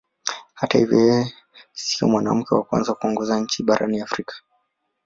Hata hivyo yeye sio mwanamke wa kwanza kuongoza nchi barani Afrika.